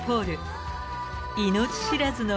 ［命知らずの］